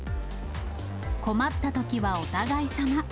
困ったときはお互いさま。